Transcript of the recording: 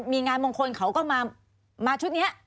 มีงานมงคลเขาก็มาชุดนี้